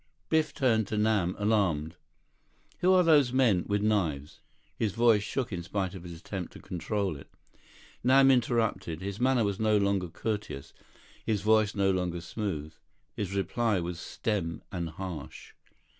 Biff turned to Nam, alarmed. "Who are those men—with knives—" His voice shook in spite of his attempt to control it. Nam interrupted. His manner was no longer courteous, his voice no longer smooth. His reply was stem and harsh.